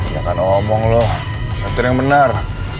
jangan omong lo nyetir yang bener